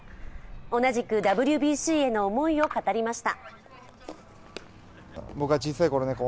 同じくＷＢＣへの思いを語りました。